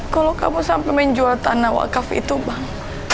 kalau kamu sampai menjual tanah wakaf itu bang